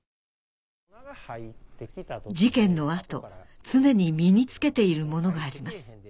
事件の後常に身に着けているものがあります